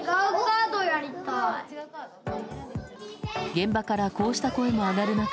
現場からこうした声が上がる中